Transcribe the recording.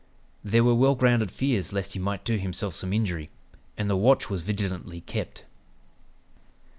There were well grounded fears lest he might do himself some injury, and the watch was vigilantly kept.